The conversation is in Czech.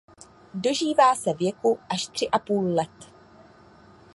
Dožívá se věku až tři a půl let.